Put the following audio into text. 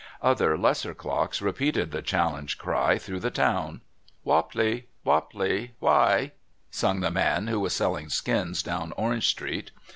Other lesser clocks repeated the challenge cry through the town. "Woppley Woppley Why!" sung the man who was selling skins down Orange Street.